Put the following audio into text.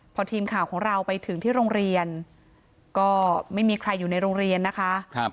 พอทีมข่าวของเราไปถึงที่โรงเรียนก็ไม่มีใครอยู่ในโรงเรียนนะคะ